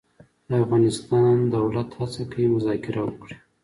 د افغانستان دولت هڅه کوي مذاکره وکړي.